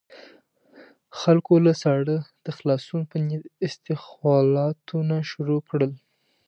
خلکو له ساړه د خلاصون په نيت اسخولاتونه شروع کړل.